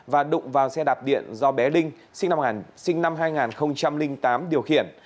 và đụng vào xe đạp điện do bé linh sinh năm hai nghìn tám điều khiển